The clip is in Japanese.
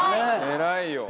偉いよ！